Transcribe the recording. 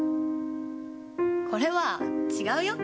これは違うよ。